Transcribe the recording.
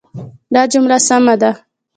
دا جمله سمه ده.